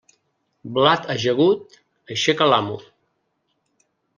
Blat ajagut, aixeca l'amo.